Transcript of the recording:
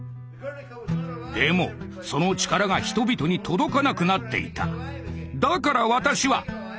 でもその力が人々に届かなくなっていた。